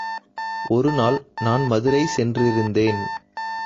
ஒருநாள் நான் மதுரை சென்றிருந்தேன்.